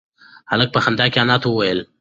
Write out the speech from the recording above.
هلک په خندا کې انا ته وویل نه.